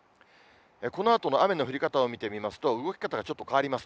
このあとの雨の降り方を見てみますと、動き方がちょっと変わります。